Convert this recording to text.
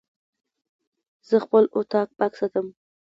زه خپل اطاق پاک ساتم.